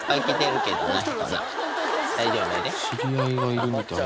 知り合いがいるみたいな。